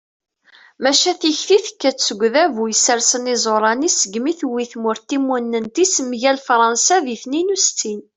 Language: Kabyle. maca tikti tekka-d seg udabu yessersen iẓuṛan-is segmi tewwi tmurt timunent-is mgal fṛansa di tniyen u settin